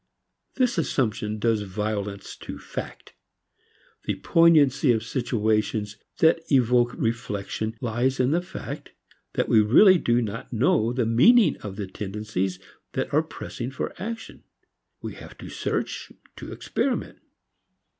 This assumption does violence to fact. The poignancy of situations that evoke reflection lies in the fact that we really do not know the meaning of the tendencies that are pressing for action. We have to search, to experiment.